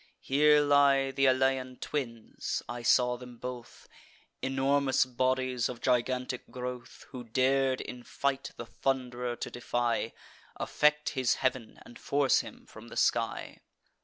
Here lie th' Alaean twins, (I saw them both,) Enormous bodies, of gigantic growth, Who dar'd in fight the Thund'rer to defy, Affect his heav'n, and force him from the sky.